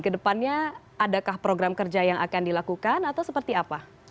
kedepannya adakah program kerja yang akan dilakukan atau seperti apa